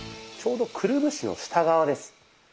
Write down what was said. ちょうどくるぶしの下側です。